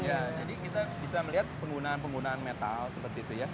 jadi kita bisa melihat penggunaan penggunaan metal seperti itu ya